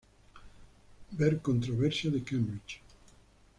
Ver Controversia de Cambridge.